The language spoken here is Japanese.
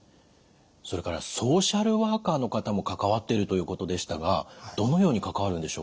それからソーシャルワーカーの方も関わってるということでしたがどのように関わるんでしょう？